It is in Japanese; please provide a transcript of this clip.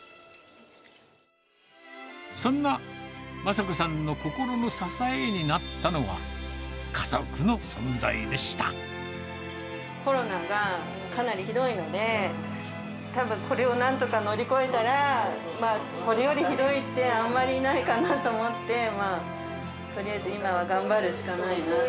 そんなまさ子さんの心の支えになコロナがかなりひどいので、たぶんこれをなんとか乗り越えたら、これよりひどいって、あんまりないかなと思って、とりあえず今は頑張るしかないなと思って。